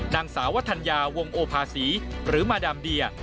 นางสาววัฒนยาวงโอภาษีหรือมาดามเดีย